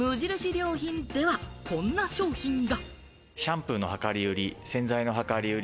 良品では、こんな商品が。